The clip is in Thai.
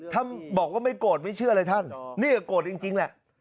ท่านบอกว่าไม่โกรธไม่เชื่อเลยท่านนี่ก็โกรธจริงแหละ